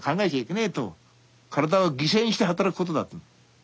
体を犠牲にして働くことだと。